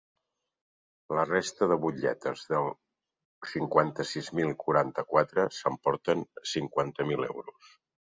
La resta de butlletes del cinquanta-sis mil quaranta-quatre s’emporten cinquanta mil euros.